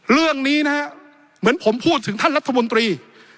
เรื่องนี้นะฮะเหมือนผมพูดถึงท่านรัฐมนตรี